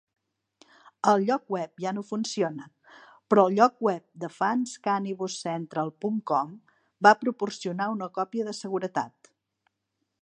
El lloc web ja no funciona, però el lloc web de fans Canibus-Central punt com va proporcionar una còpia de seguretat.